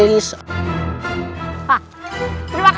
terima kasih prabu amuk